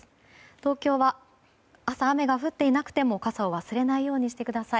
東京は、朝雨が降っていなくても傘を忘れないようにしてください。